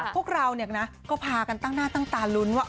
พวกเราก็พากันตั้งหน้าตั้งตาลุ้นว่า